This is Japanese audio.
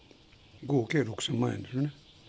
合計６０００万円ですね。